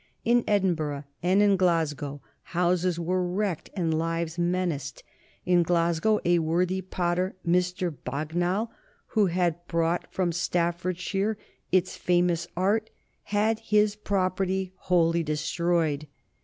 In Edinburgh and in Glasgow houses were wrecked and lives menaced. In Glasgow a worthy potter, Mr. Bagnal, who had brought from Staffordshire its famous art, had his property wholly destroyed.